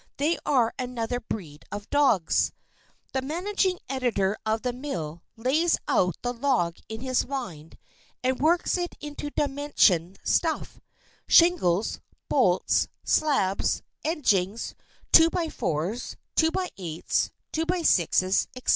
They are another breed of dogs. The managing editor of the mill lays out the log in his mind and works it into dimension stuff, shingles, bolts, slabs, edgings, two by fours, two by eights, two by sixes, etc.